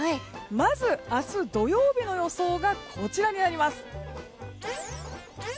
まず、明日土曜日の予想がこちらです。